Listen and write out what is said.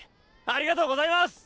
ありがとうございます！